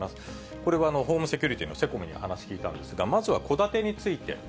これは、ホームセキュリティーのセコムに話を聞いたんですが、まずは戸建てについて。